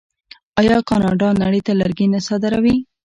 آیا کاناډا نړۍ ته لرګي نه صادروي؟